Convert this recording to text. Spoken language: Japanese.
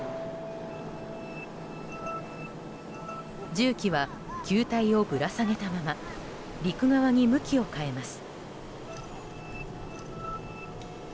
重機は球体をぶら下げたまま陸側に向きを変えます。